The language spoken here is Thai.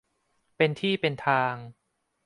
เป็นที่เป็นทาง